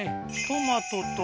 トマトと？